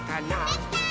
できたー！